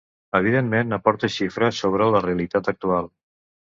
Evidentment, aporta xifres sobre la realitat actual.